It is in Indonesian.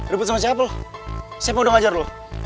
ribut sama siapa lo siapa yang udah ngajar lo